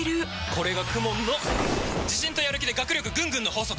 これがＫＵＭＯＮの自信とやる気で学力ぐんぐんの法則！